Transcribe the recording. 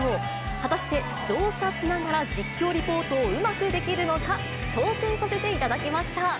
果たして、乗車しながら実況リポートをうまくできるのか、挑戦させていただきました。